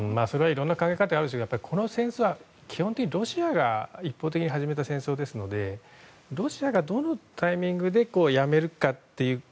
いろんな考え方がありますがこの戦争はロシアが一方的に始めた戦争ですのでロシアがどのタイミングでやめると。